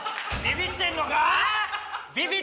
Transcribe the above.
ビビってんのか？